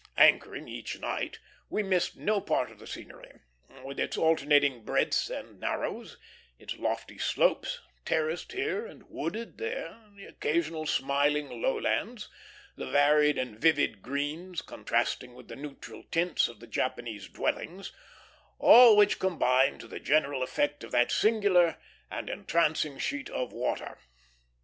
Anchoring each night, we missed no part of the scenery, with its alternating breadths and narrows, its lofty slopes, terraced here and wooded there, the occasional smiling lowlands, the varied and vivid greens, contrasting with the neutral tints of the Japanese dwellings; all which combine to the general effect of that singular and entrancing sheet of water.